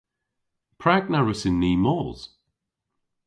Prag na wrussyn ni mos?